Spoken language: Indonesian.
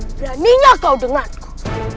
beraninya kau denganku